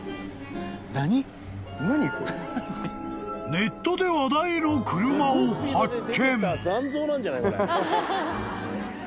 ［ネットで話題の車を発見］